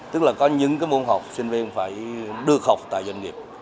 tức là có những môn học sinh viên phải được học tại doanh nghiệp